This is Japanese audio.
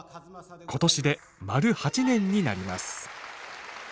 今年で丸８年になります。